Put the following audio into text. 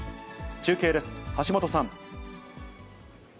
中継です、橋本さん。